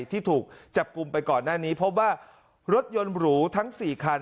ที่ถูกจับกลุ่มไปก่อนหน้านี้พบว่ารถยนต์หรูทั้ง๔คัน